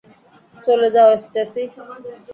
চলে যাও, স্ট্যাসি।